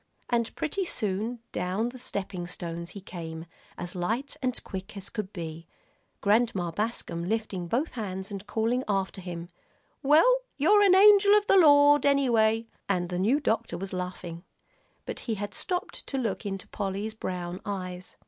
And pretty soon down the stepping stones he came, as light and quick as could be, Grandma Bascom lifting both hands and calling after him, "Well, you're an angel of the Lord, anyway," and the new doctor was laughing. But he had stopped to look into Polly's brown eyes.